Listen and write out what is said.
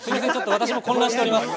私も混乱しております。